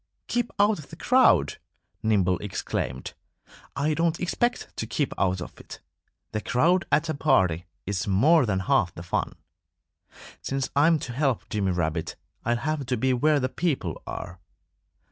"Keep out of the crowd!" Nimble exclaimed. "I don't expect to keep out of it. The crowd at a party is more than half the fun. Since I'm to help Jimmy Rabbit I'll have to be where the people are."